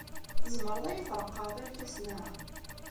Tzemreḍ ad iyi-treqqɛeḍ irkasen-a?